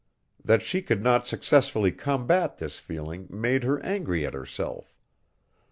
That she could not successfully combat this feeling made her angry at herself.